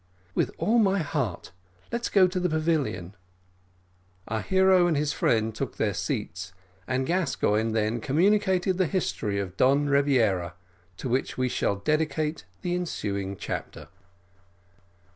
"With all my heart; let us go to the pavilion." Our hero and his friend took their seats, and Gascoigne then communicated the history of Don Rebiera, to which we shall dedicate the ensuing chapter.